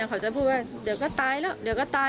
เขาจะพูดว่าเดี๋ยวก็ตายแล้ว